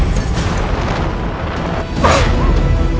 kau akan menang